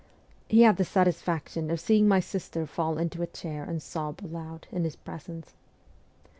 He had the satisfaction of seeing my sister fall into a chair and sob aloud in his presence.